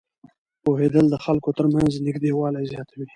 پوهېدل د خلکو ترمنځ نږدېوالی زیاتوي.